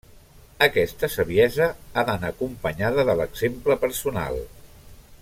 Aquesta saviesa ha d'anar acompanyada de l'exemple personal.